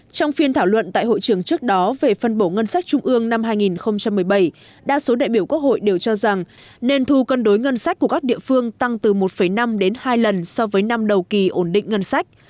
trong phiên thảo luận tại hội trường trước đó về phân bổ ngân sách trung ương năm hai nghìn một mươi bảy đa số đại biểu quốc hội đều cho rằng nên thu cân đối ngân sách của các địa phương tăng từ một năm đến hai lần so với năm đầu kỳ ổn định ngân sách